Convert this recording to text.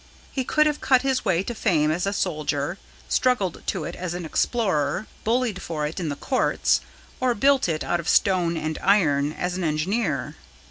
He could have cut his way to fame as a soldier, struggled to it as an explorer, bullied for it in the courts, or built it out of stone and iron as an engineer.